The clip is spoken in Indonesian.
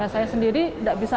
saya sendiri tidak bisa